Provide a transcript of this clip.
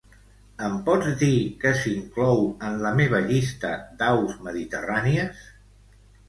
Em pots dir què s'inclou en la meva llista d'aus mediterrànies?